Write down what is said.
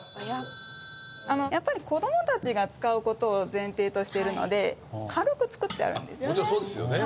やっぱり子供たちが使う事を前提としてるので軽く作ってあるんですよね。